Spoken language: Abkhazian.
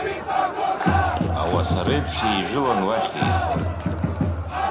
Ауаса реиԥш еижәылан уахь еихон.